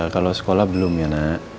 kalau sekolah belum ya nak